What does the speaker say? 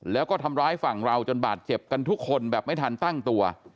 แล้วก็ทำร้ายฝั่งเราจนบาดเจ็บกันทุกคนแบบไม่ทันตั้งตัว